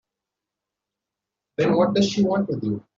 Then what does she want with you?